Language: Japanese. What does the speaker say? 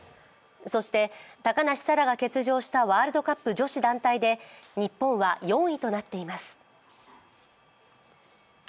そして、高梨沙羅が欠場したワールドカップ女子団体で日本は４位となっています。